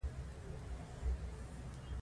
ترڅو پایله یې یوه پایداره ډیموکراسي وي.